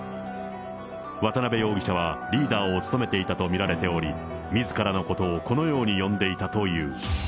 渡辺容疑者はリーダーを務めていたと見られており、みずからのことをこのように呼んでいたという。